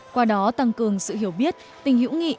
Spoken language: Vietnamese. qua đó tăng cường sự hiểu biết tình hữu nghị